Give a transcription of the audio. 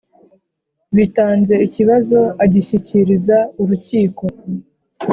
bitanze ikibazo agishyikiriza Urukiko